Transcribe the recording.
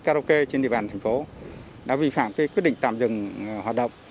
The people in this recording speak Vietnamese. karaoke trên địa bàn thành phố đã vi phạm quyết định tạm dừng hoạt động